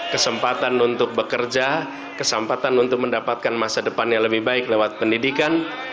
kesempatan untuk bekerja kesempatan untuk mendapatkan masa depan yang lebih baik lewat pendidikan